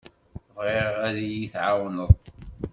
Bɣiɣ-k ad iyi-tɛawneḍ.